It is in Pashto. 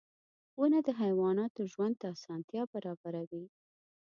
• ونه د حیواناتو ژوند ته اسانتیا برابروي.